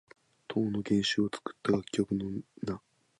唐の玄宗の作った楽曲の名。